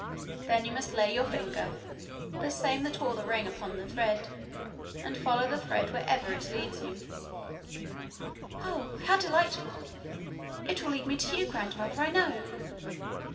Then you must lay your finger, the same that wore the ring, upon the thread, and follow the thread wherever it leads you.' 'Oh, how delightful! It will lead me to you, grandmother, I know!'